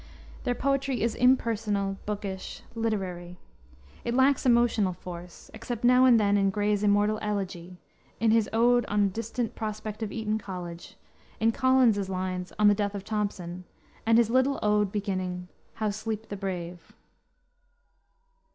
Their poetry is impersonal, bookish, literary. It lacks emotional force, except now and then in Gray's immortal Elegy, in his Ode on a Distant Prospect of Eton College, in Collins's lines, On the Death of Thomson, and his little ode beginning, "How sleep the brave?"